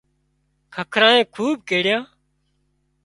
ککرانئي تٽ کوٻ ڪيڙيان